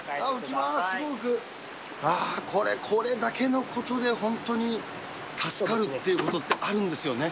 これだけのことで本当に助かるっていうことってあるんですよね。